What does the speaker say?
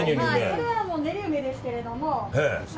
これは練り梅ですけど。